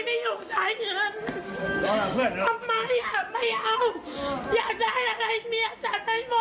เมียทำให้หมดทุกอย่าง